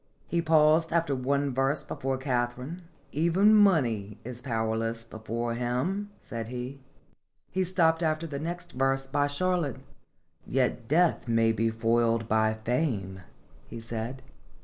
He paused after one verse before Katharine. "Even Money is powerless before him," said he. He stopped after the next verse by Char lotte. " Yet Death may be foiled by Fame," he said.